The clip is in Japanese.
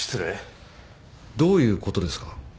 どういうことですか？